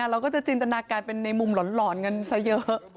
เราก็จะจินตนาการเป็นในมุมหลอนกันซะเยอะ